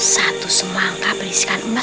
satu semangka berisikan emas